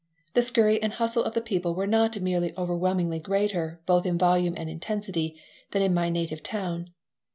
The scurry and hustle of the people were not merely overwhelmingly greater, both in volume and intensity, than in my native town.